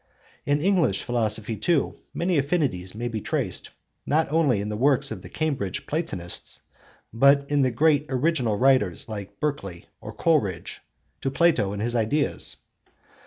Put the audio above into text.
In English philosophy too, many affinities may be traced, not only in the works of the Cambridge Platonists, but in great original writers like Berkeley or Coleridge, to Plato and his ideas.